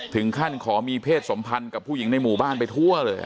ถึงขั้นขอมีเพศสมพันธ์กับผู้หญิงในหมู่บ้านไปทั่วเลย